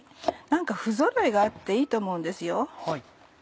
何かふぞろいがあっていいと思うんですよ。